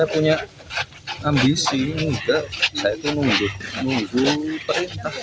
wali kata sedang pilih untuk menunggu perintah